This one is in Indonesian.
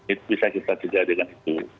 itu bisa kita cita cita dengan itu